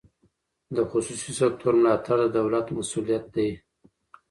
د خصوصي سکتور ملاتړ د دولت مسوولیت دی.